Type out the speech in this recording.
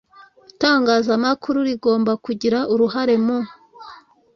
itangazamakuru rigomba kugira uruhare mu